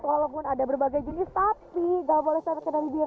walaupun ada berbagai jenis tapi tidak boleh terkena bibir